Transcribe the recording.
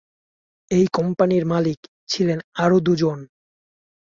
এই কোম্পানীর মালিক ছিলেন আরও দুজন।